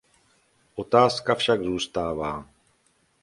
Otázka však zůstává.